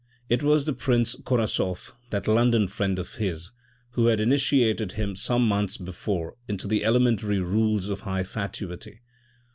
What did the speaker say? It was the Prince Korasoff, that London friend of his, who had initiated him some months before into the elementary rules of high fatuity.